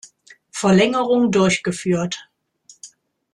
Verlängerung durchgeführt.